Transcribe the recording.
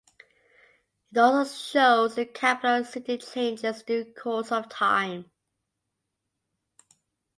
It also shows how the capital city changes in due course of time.